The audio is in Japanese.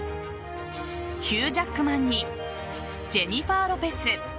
ヒュー・ジャックマンにジェニファー・ロペス。